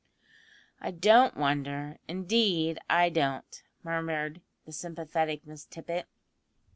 "I don't wonder, indeed I don't," murmured the sympathetic Miss Tippet.